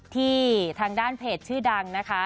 ที่ทางด้านเพจชื่อดังนะคะ